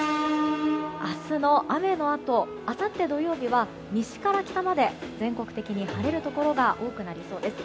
明日の雨のあとあさって土曜日は西から北まで全国的に晴れるところが多くなりそうです。